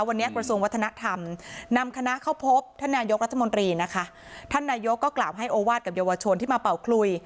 วันนี้กระทรวงวัฒนธรรมนำคณะเข้าพบท่านนายกรัฐมนตรีนะคะท่านนายกก็กล่าวให้โอวาสกับเยาวชนที่มาเป่าคลุย